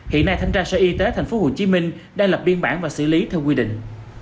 hiện nay thanh tra sở y tế tp hcm đang lập biên bản và xử lý theo quy định